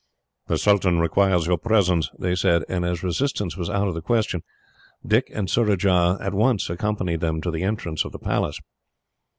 "The sultan requires your presence," they said; and as resistance was out of the question, Dick and Surajah at once accompanied them to the entrance of the Palace.